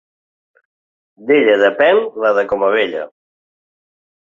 D'ella depèn la de Comabella.